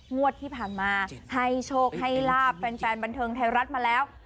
งวดที่ผ่านมาให้โชคให้ลาบแฟนบันเทิงไทยรัฐมาแล้ว